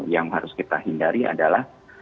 yang harus kita hindari adalah